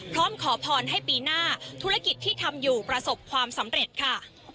พร้อมขอพรให้ปีหน้าธุรกิจที่ทำอยู่ประสบความสำเร็จค่ะ